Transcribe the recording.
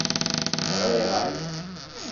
Ɣriɣ-ak.